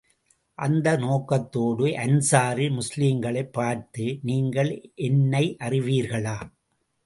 அந்த நோக்கத்தோடு அன்ஸாரி முஸ்லிம்களைப் பார்த்து, நீங்கள் என்னை அறிவீர்களா?